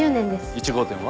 １号店は？